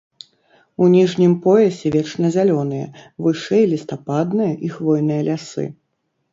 У ніжнім поясе вечназялёныя, вышэй лістападныя і хвойныя лясы.